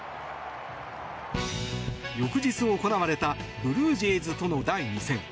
翌日行われたブルージェイズとの第２戦。